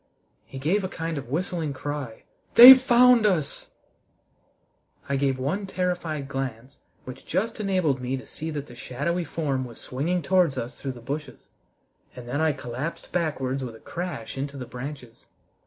he gave a kind of whistling cry. "They've found us." I gave one terrified glance, which just enabled me to see that the shadowy form was swinging towards us through the bushes, and then I collapsed backwards with a crash into the branches.